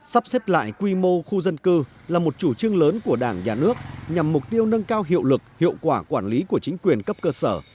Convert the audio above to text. sắp xếp lại quy mô khu dân cư là một chủ trương lớn của đảng nhà nước nhằm mục tiêu nâng cao hiệu lực hiệu quả quản lý của chính quyền cấp cơ sở